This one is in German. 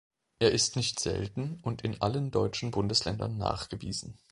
Er ist nicht selten und in allen deutschen Bundesländern nachgewiesen.